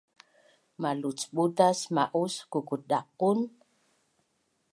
Malucbutas ma’us kukutdaqun?